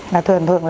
là thường thường